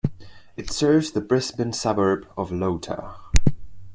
It serves the Brisbane suburb of Lota.